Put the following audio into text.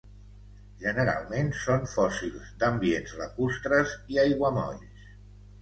Generalment són fòssils d'ambients lacustres i aiguamolls.